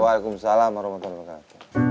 waalaikumsalam warahmatullahi wabarakatuh